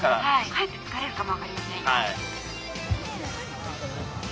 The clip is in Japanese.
かえって疲れるかも分かりませんよ。